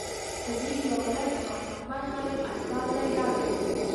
په دې کې یوه ورځ د قاچاقبر صاحب استازی راغی.